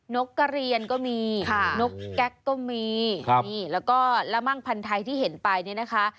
นกกระเรียนก็มีนกแก๊กก็มีแล้วก็ละมั่งพันธ์ไทยที่เห็นไปเนี่ยนะคะ